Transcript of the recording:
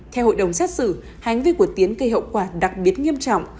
theo hội đồng xét xử hành vi của tiến gây hậu quả đặc biệt nghiêm trọng